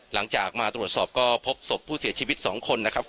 หลังจากมาตรวจสอบก็พบศพผู้เสียชีวิต๒คนนะครับ